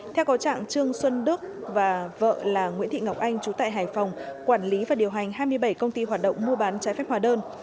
theo có trạng trương xuân đức và vợ là nguyễn thị ngọc anh trú tại hải phòng quản lý và điều hành hai mươi bảy công ty hoạt động mua bán trái phép hóa đơn